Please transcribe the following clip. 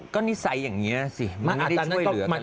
ก็นิสัยอย่างนี้น่ะสิมันจะช่วยเหลือกันเลย